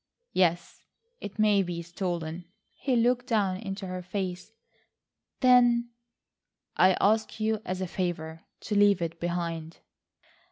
"Yes, it may be stolen." He looked down into her face. "Then—" "I ask you as a favour to leave it behind."